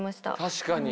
確かに。